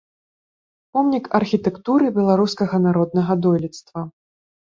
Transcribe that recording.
Помнік архітэктуры беларускага народнага дойлідства.